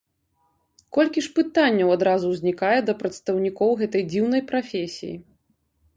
Колькі ж пытанняў адразу узнікае да прадстаўнікоў гэтай дзіўнай прафесіі.